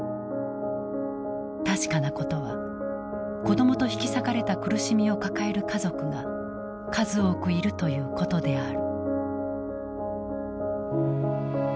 確かなことは子どもと引き裂かれた苦しみを抱える家族が数多くいるということである。